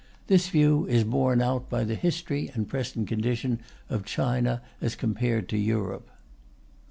This view is borne out by the history and present condition of China as compared to Europe.